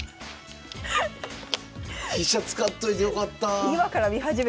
飛車使っといてよかった。